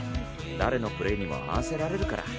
誰のプレーにも合わせられるから。